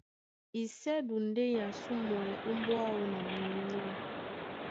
Isɛ́du ndé a ásumwɛ́ ómbóá áō na mǐlá,